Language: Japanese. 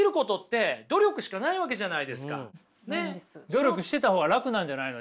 努力してた方が楽なんじゃないの？